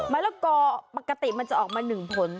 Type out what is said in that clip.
มะละกอปกติมันจะออกมาหนึ่งผล